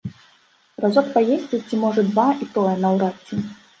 Разок паесці, ці можа два, і тое, наўрад ці.